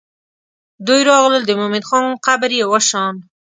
دوی راغلل د مومن خان قبر یې وشان.